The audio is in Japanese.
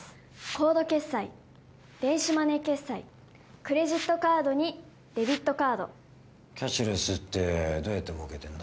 コード決済電子マネー決済クレジットカードにデビットカードキャッシュレスってどうやって儲けてんだ？